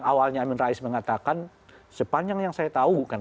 awalnya amin rais mengatakan sepanjang yang saya tahu kan